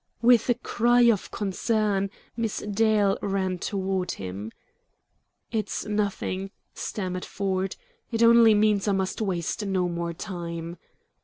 With a cry of concern, Miss Dale ran toward him. "It's nothing!" stammered Ford. "It only means I must waste no more time."